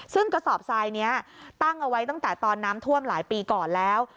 ซึ่งกระสอบทรายนี้ตั้งเอาไว้ตั้งแต่ตอนน้ำท่วมหลายปีก่อนแล้ว